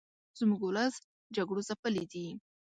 زموږ ولس جګړو ځپلې دې